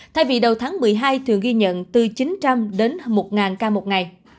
thay vì đầu tháng một mươi hai thường ghi nhận từ chín trăm linh một nghìn ca mỗi ngày